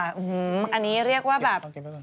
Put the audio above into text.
อันนี้เรียกว่าแบบ